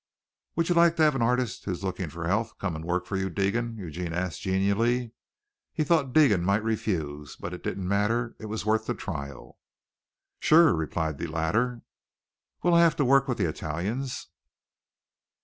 "Would you like to have an artist who's looking for health come and work for you, Deegan?" Eugene asked genially. He thought Deegan might refuse, but it didn't matter. It was worth the trial. "Shewer!" replied the latter. "Will I have to work with the Italians?"